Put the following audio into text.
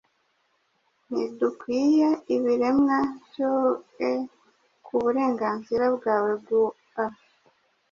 Ntidukwiye ibiremwa byoe kuburenganzira bwawe gua